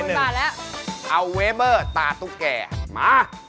เออหนึ่งหมื่นบาทเออ